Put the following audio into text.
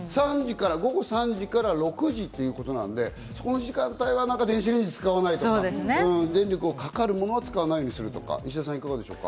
午後３時から６時っていうことなんで、その時間帯は電子レンジを使わないとか、電力がかかるものは使わないようにするとか。